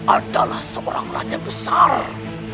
adalah seorang raja besar